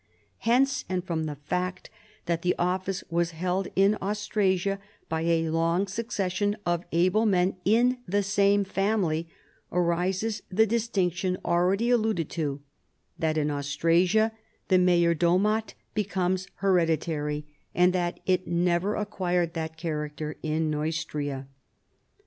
Hence, and, from the fact that the office was held in Austrasia by a long succession of able men in the same family, arises the distinction already alluded to, that in Austrasia the major domat be comes hereditary, and that it never acquired that character in Neustria.